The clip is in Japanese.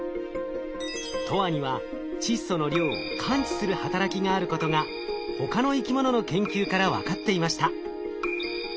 ＴＯＲには窒素の量を感知する働きがあることが他の生き物の研究から分かっていました。